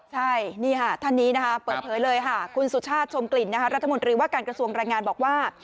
ใช่นี่ค่ะท่านนี้นะคะเปิดเผยเลยค่ะคุณสุชาติชมกลิ่นรัฐมนตรีว่าการกระทรวงแรงงานบอกว่า